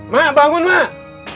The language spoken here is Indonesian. mak bangun mak